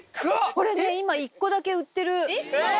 これね、今、１個だけ売ってる。え？